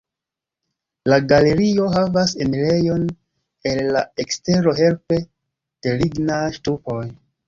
La galerio havas enirejon el la ekstero helpe de lignaj ŝtupoj.